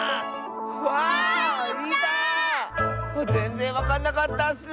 あっぜんぜんわかんなかったッス。